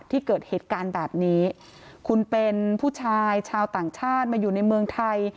ที่เกิดเหตุการณ์แบบนี้คุณเป็นผู้ชายชาวต่างชาติมาอยู่ในเมืองไทย